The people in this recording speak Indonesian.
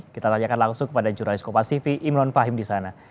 kita tanyakan langsung kepada jurnalist kopasivi imron fahim di sana